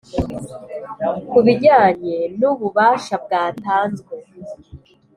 ku bijyanye nu bubasha bwatanzwe